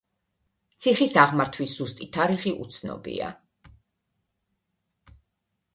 ციხის აღმართვის ზუსტი თარიღი უცნობია.